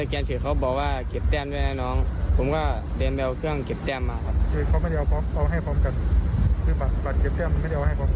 คือบัตรเจ็บเครื่องมันไม่ได้เอาให้ออก